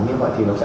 như vậy thì nó sẽ